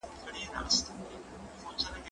زه به اوږده موده د لوبو لپاره وخت نيولی وم!؟